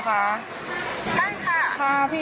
พี่มารีหรือเปล่าคะ